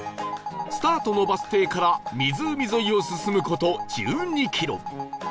スタートのバス停から湖沿いを進む事１２キロ